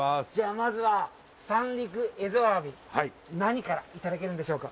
まずは、三陸蝦夷アワビ、何からいただけるんでしょうか。